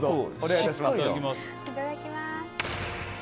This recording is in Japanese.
いただきます。